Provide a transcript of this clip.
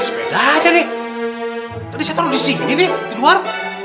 sepeda aja nih tadi saya taruh di sini nih di luar